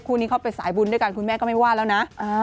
นี้เขาไปสายบุญด้วยกันคุณแม่ก็ไม่ว่าแล้วนะ